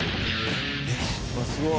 うわすごい！